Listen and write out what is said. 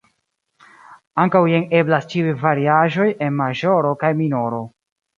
Ankaŭ jen eblas ĉiuj variaĵoj en maĵoro kaj minoro.